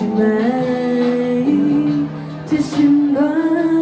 อุ้วถ้าเธอรู้ใช่ไหม